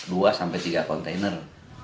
dua sampai tiga kontainer